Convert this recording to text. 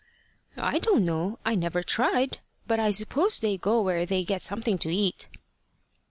"I don't know. I never tried. But I suppose they go where they get something to eat."